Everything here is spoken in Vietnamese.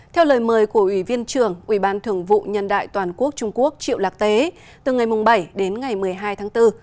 theo lời mời của ủy viên trưởng ủy ban thường vụ nhân đại toàn quốc trung quốc triệu lạc tế từ ngày bảy đến ngày một mươi hai tháng bốn